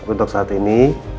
untuk saat ini